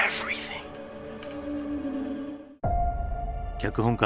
脚本家